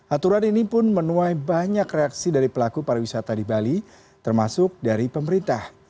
aturan ini pun menuai banyak reaksi dari pelaku pariwisata di bali termasuk dari pemerintah